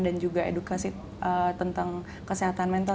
dan juga edukasi tentang kesehatan mental